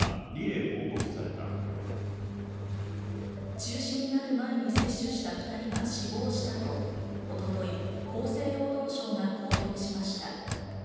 中止になる前に接種した２人が死亡したと一昨日、厚生労働省が公表しました。